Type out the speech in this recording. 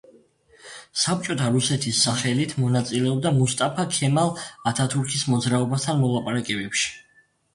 საბჭოთა რუსეთის სახელით მონაწილეობდა მუსტაფა ქემალ ათათურქის მოძრაობასთან მოლაპარაკებებში.